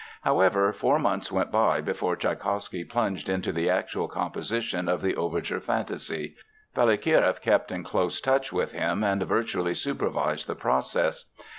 However, four months went by before Tschaikowsky plunged into the actual composition of the overture fantasy. Balakireff kept in close touch with him and virtually supervised the process.